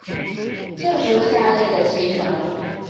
就如下列的期程